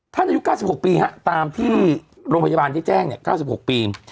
ท่านอายุเก้าสิบหกปีฮะตามที่โรงพยาบาลที่แจ้งเนี่ยเก้าสิบหกปี